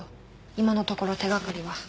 今のところ手掛かりは。